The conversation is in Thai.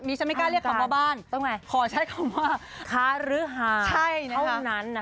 นี่ฉันไม่กล้าเรียกคำว่าบ้านขอใช้คำว่าค้ารื้อหาเท่านั้นนะ